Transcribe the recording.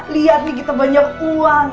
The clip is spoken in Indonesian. lihat nih gitu banyak uang